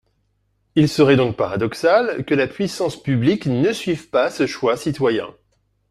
Il serait donc paradoxal que la puissance publique ne suive pas ce choix citoyen.